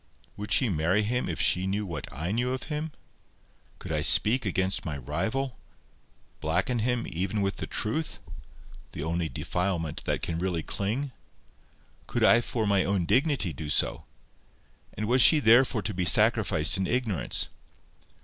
Would she marry him if she knew what I knew of him? Could I speak against my rival?—blacken him even with the truth—the only defilement that can really cling? Could I for my own dignity do so? And was she therefore to be sacrificed in ignorance?